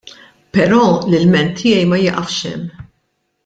Però l-ilment tiegħi ma jiqafx hemm.